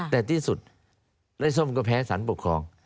แต่ที่สุดไล่ส้มก็แพ้สารปกครอง